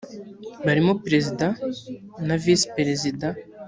barimo perezida na visi perezida